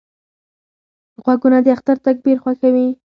غوږونه د اختر تکبیر خوښوي